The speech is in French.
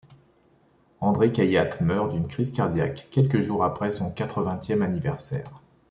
André Cayatte meurt d'une crise cardiaque quelques jours après son quatre vingtième anniversaire.